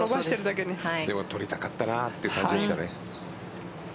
でも、取りたかったなという感じでしたね。